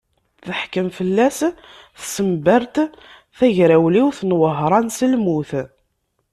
Teḥkem fell-as tsenbert tagrawliwt n Wehṛan s lmut.